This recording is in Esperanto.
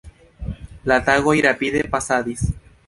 La tagoj rapide pasadis.